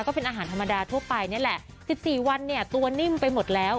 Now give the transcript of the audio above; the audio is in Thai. ก็เป็นอาหารธรรมดาทั่วไปนี่แหละ๑๔วันเนี่ยตัวนิ่มไปหมดแล้ว